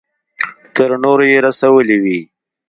تر نورو يې رسولې وي.